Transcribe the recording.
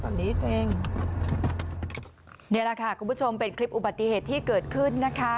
นี่แหละค่ะคุณผู้ชมเป็นคลิปอุบัติเหตุที่เกิดขึ้นนะคะ